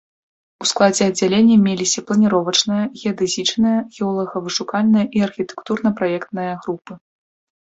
У складзе аддзялення меліся планіровачная, геадэзічная, геолага-вышукальная і архітэктурна-праектная групы.